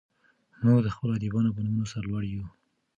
موږ د خپلو ادیبانو په نومونو سر لوړي یو.